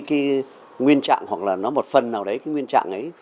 cái nguyên trạng hoặc là nó một phần nào đấy cái nguyên trạng ấy